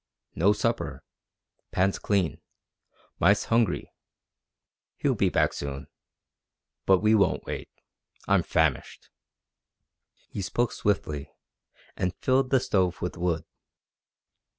"No supper. Pans clean. Mice hungry. He'll be back soon. But we won't wait. I'm famished." He spoke swiftly, and filled the stove with wood.